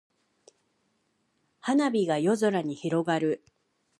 花火が夜空に広がる。